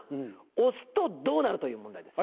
押すとどうなる？」という問題です。